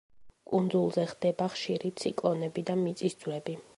კუნძულზე ხდება ხშირი ციკლონები და მიწისძვრები.